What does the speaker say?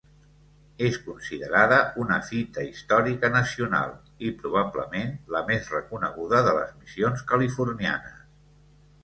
És considerada un Fita Històrica Nacional i probablement la més reconeguda de les missions californianes.